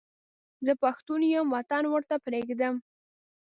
زه پښتون یم وطن ورته پرېږدم.